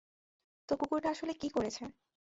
তো কুকুরটা আসলে কি করেছে?